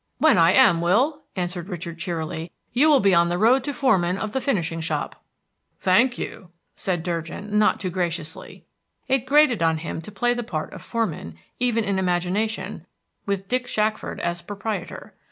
"When I am, Will," answered Richard cheerily, "you will be on the road to foreman of the finishing shop." "Thank you," said Durgin, not too graciously. It grated on him to play the part of foreman, even in imagination, with Dick Shackford as proprietor.